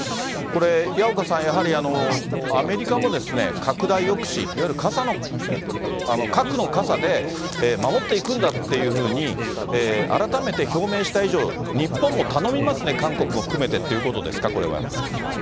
これ、矢岡さん、やはりアメリカも拡大抑止、いわゆる核の傘で守っていくんだっていうふうに、改めて表明した以上、日本も頼みますね、韓国を含めてってことですか、これは。